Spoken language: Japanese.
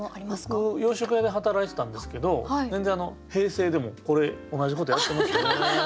僕洋食屋で働いてたんですけど全然平成でもこれ同じことやってましたね。